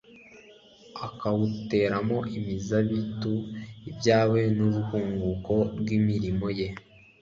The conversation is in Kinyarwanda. akawuteramo imizabitu ibyawe n’urwunguko rw’imirimo ye